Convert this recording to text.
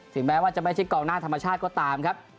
แม้ว่าจะไม่ใช่กองหน้าธรรมชาติก็ตามครับ